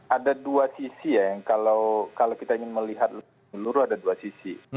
ada dua sisi ya kalau kita ingin melihat seluruh ada dua sisi